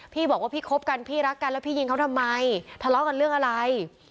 พี่บอกว่าพี่คบกันพี่รักกันแล้วพี่ยิงเขาทำไมทะเลาะกันเรื่องอะไร